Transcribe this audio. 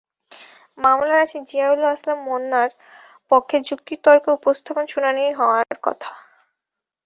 মামলার আসামি জিয়াউল ইসলাম মোন্নার পক্ষে যুক্তিতর্ক উপস্থাপনের শুনানি হওয়ার কথা।